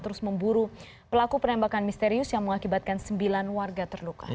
terus memburu pelaku penembakan misterius yang mengakibatkan sembilan warga terluka